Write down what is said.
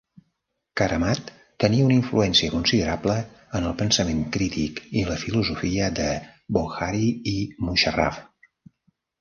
Karamat tenia una influència considerable en el pensament crític i la filosofia de Bokhari i Musharraf.